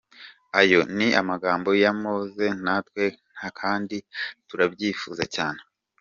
Ayo ni amagambo ya Mose natwe kandi turabyifuza cyane.